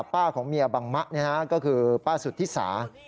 ของเมียบังมะก็คือป้าสุธิสา